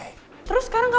eh pak reva